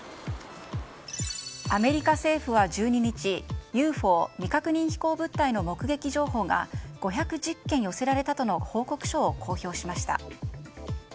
アメリカ政府は１２日ＵＦＯ・未確認飛行物体の目撃情報が５１０件寄せられたとの報告書を公表しました。